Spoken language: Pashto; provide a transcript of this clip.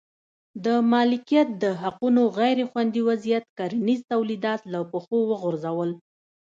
د مالکیت د حقونو غیر خوندي وضعیت کرنیز تولیدات له پښو وغورځول.